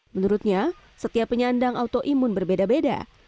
menurutnya setiap penyandang autoimun berbeda beda